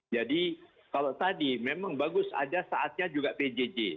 jadi kalau tadi memang bagus ada saatnya juga pjj